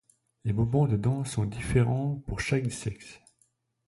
Les mouvements de danse sont différents pour chaque sexe.